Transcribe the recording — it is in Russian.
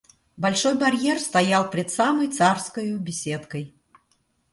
Большой барьер стоял пред самой царскою беседкой.